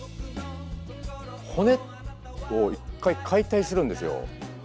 骨を一回解体するんですよ。